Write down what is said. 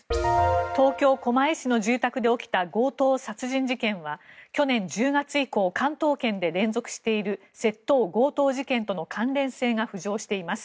東京・狛江市の住宅で起きた強盗殺人事件は去年１０月以降関東圏で連続している窃盗・強盗事件との関連性が浮上しています。